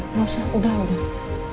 gak usah udah udah